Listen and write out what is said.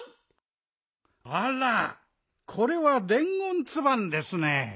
あらこれはでんごんツバンですね。